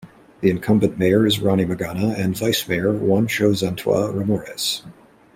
The incumbent mayor is Ronnie Magana and vice mayor Juancho Zantua Ramores.